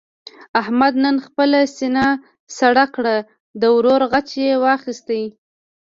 احمد نن خپله سینه سړه کړه. د ورور غچ یې واخیست.